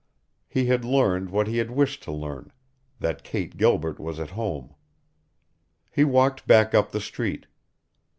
He had learned what he had wished to learn that Kate Gilbert was at home. He walked back up the street.